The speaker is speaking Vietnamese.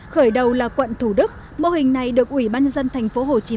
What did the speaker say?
khởi đầu là quận thủ đức mô hình này được ủy ban dân tp hcm đề nghị nhân rộng ra cả hai mươi bốn quận huyện